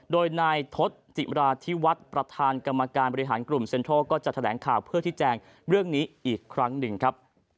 โดยนายทศจิมราธิวัฒน์ประธานกรรมการบริหารกลุ่มเซ็นทรัลก็จะแถลงข่าวเพื่อที่แจงเรื่องนี้อีกครั้งหนึ่งครับ